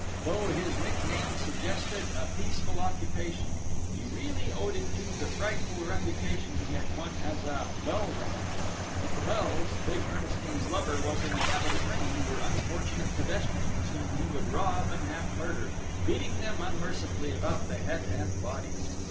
Though his nickname suggested a peaceful occupation, he really owed it to the frightful reputation he had won as a "bell ringer"; but the bells big Ernestine's lover was in the habit of ringing were unfortunate pedestrians whom he would rob and half murder, beating them unmercifully about the head and body.